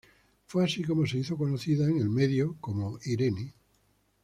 Fue así como se hizo conocida en el medio como Irene.